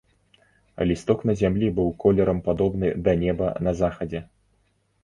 Лісток на зямлі быў колерам падобны да неба на захадзе.